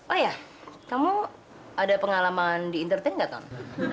oh ya kamu ada pengalaman di entertain gak tau